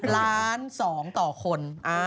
ล้าน๒ต่อคน